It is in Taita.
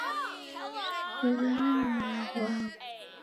Sighana na malagho agho